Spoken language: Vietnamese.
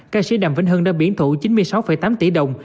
ca sĩ đàm vĩnh hưng đã biển thủ chín mươi sáu tám tỷ đồng